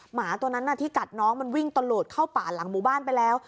หมาตัวนั้นที่กัดน้องมันวิ่งตะโหลดเข้าป่าหลังหมู่บ้านไปแล้ว